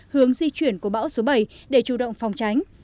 hướng di chuyển của bão số bảy để chủ động phòng tránh